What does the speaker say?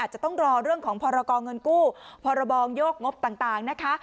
จะต้องรอเรื่องของพรกรเงินกู้พรบโยกงบต่างนะคะ